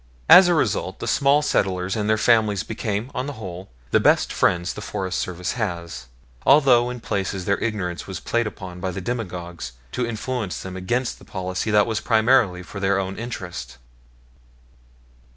As a result, the small settlers and their families became, on the whole, the best friends the Forest Service has; although in places their ignorance was played on by demagogues to influence them against the policy that was primarily for their own interest.